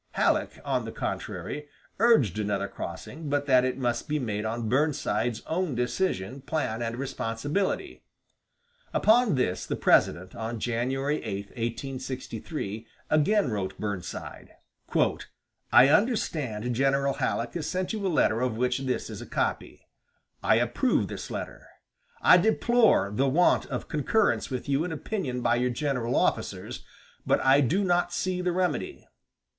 Halleck, on the contrary, urged another crossing, but that it must be made on Burnside's own decision, plan, and responsibility. Upon this the President, on January 8, 1863, again wrote Burnside: "I understand General Halleck has sent you a letter of which this is a copy. I approve this letter. I deplore the want of concurrence with you in opinion by your general officers, but I do not see the remedy.